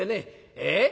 ええ？